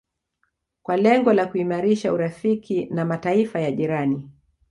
kwa lengo la kuimarisha urafiki na Mataifa ya jirani